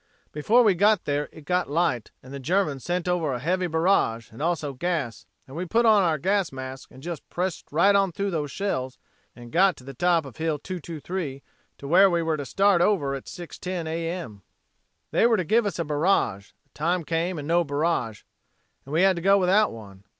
Before we got there it got light and the Germans sent over a heavy barrage and also gas and we put on our gas masks and just pressed right on through those shells and got to the top of Hill 223 to where we were to start over at 6:10 A.M. "They were to give us a barrage. The time came and no barrage, and we had to go without one.